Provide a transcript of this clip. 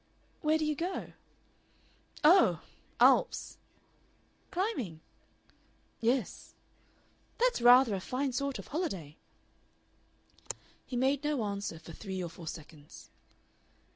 "Where do you go?" "Oh! Alps." "Climbing?" "Yes." "That's rather a fine sort of holiday!" He made no answer for three or four seconds.